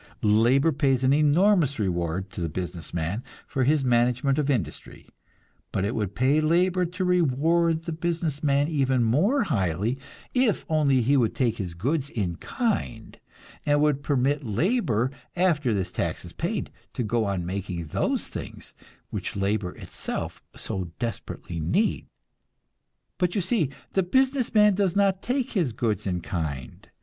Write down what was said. Labor pays an enormous reward to the business man for his management of industry, but it would pay labor to reward the business man even more highly, if only he would take his goods in kind, and would permit labor, after this tax is paid, to go on making those things which labor itself so desperately needs. But, you see, the business man does not take his goods in kind.